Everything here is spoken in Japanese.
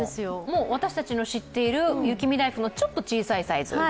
私たちの知っている雪見だいふくのちょっと小さいタイプ。